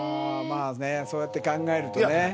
まあね、そうやって考えるとね。